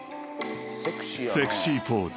［セクシーポーズ］